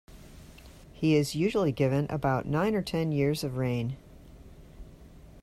He is usually given about nine or ten years of reign.